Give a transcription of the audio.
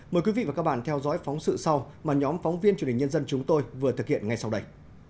mời quý vị và các bạn theo dõi phóng sự sau mà nhóm phóng viên truyền hình nhân dân chúng tôi vừa thực hiện ngay sau đây